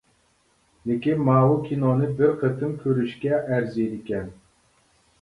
لېكىن ماۋۇ كىنونى بىر قېتىم كۆرۈشكە ئەرزىيدىكەن.